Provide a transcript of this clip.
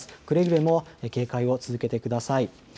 くれぐれも警戒を続けてください。